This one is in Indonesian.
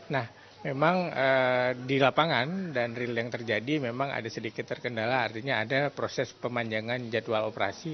nah memang di lapangan dan real yang terjadi memang ada sedikit terkendala artinya ada proses pemanjangan jadwal operasi